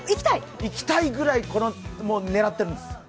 行きたいぐらい、もう狙ってるんです。